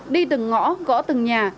đi từng ngõ gõ từng nhà